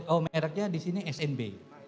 oh mereknya disini snb